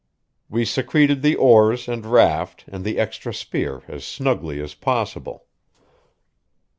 We secreted the oars and raft and the extra spear as snugly as possible.